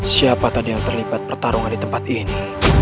siapa tadi yang terlibat pertarungan di tempat ini